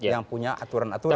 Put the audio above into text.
yang punya aturan aturan